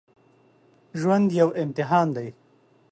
ژوند یو امتحان دی